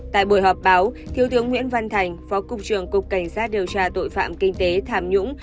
tại buổi họp báo thiếu tướng nguyễn văn thành phó cục trưởng cục cảnh sát điều tra tội phạm kinh tế tham nhũng